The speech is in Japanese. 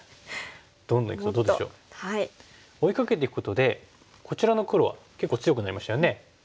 追いかけていくことでこちらの黒は結構強くなりましたよね。